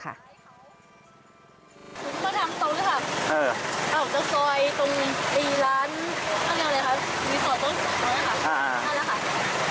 เขาห่วงกับทางนี้แล้วรถขังข้างหน้าเขาเบรกไม่ทัน